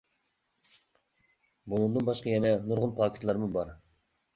بۇنىڭدىن باشقا يەنە نۇرغۇن پاكىتلارمۇ بار.